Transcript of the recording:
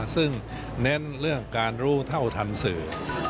ซึ่งเน้นเรื่องการรู้เท่าทันสื่อ